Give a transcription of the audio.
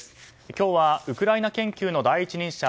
今日はウクライナ研究の第一人者